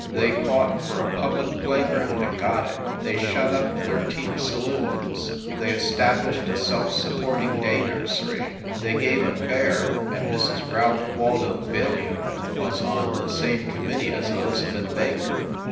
They fought for a public play ground and got it, they shut up thirteen saloons, they established a self supporting day nursery, they gave a fair and Mrs. Ralph Waldo Billion was on the same committee as Elizabeth Baker.